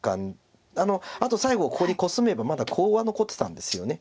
あと最後ここにコスめばまだコウは残ってたんですよね。